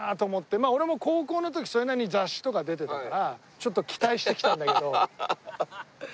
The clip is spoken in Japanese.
まあ俺も高校の時それなりに雑誌とか出てたからちょっと期待して来たんだけど。